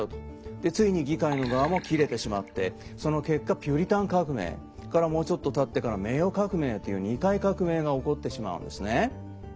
でついに議会の側もキレてしまってその結果ピューリタン革命。からもうちょっとたってから名誉革命という２回革命が起こってしまうんですね。